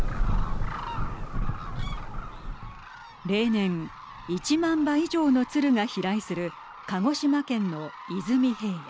例年１万羽以上の鶴が飛来する鹿児島県の出水平野。